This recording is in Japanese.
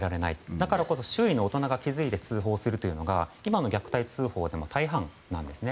だからこそ周囲の大人が気付いて通報するということが今の虐待通報の大半なんですね。